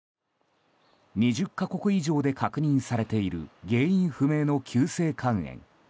２０か国以上で確認されている原因不明の急性肝炎。